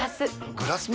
グラスも？